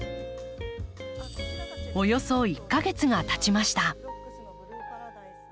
およそ１か月がたちました。